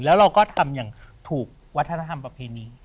แล้วเราก็ทำอย่างถูกวัฒนธรรมประเพณี